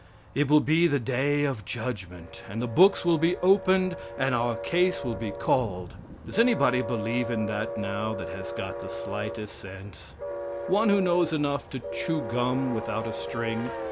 It will be the day of judgment, and the books will be opened and our case will be called. Does anybody believe in that now that has got the slightest sense? one who knows enough to chew gum without a string?"